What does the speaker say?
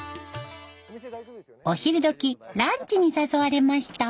お昼どきランチに誘われました。